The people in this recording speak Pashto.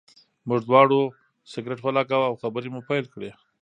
موږ دواړو سګرټ ولګاوه او خبرې مو پیل کړې.